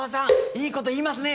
いいこと言いますね。